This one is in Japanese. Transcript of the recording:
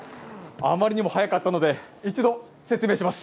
あまりにも速かったので一度、説明します。